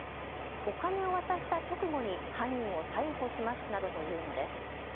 お金を渡した直後に犯人を逮捕しますなどというのです。